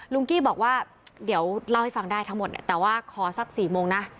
กี้บอกว่าเดี๋ยวเล่าให้ฟังได้ทั้งหมดเนี่ยแต่ว่าขอสัก๔โมงนะ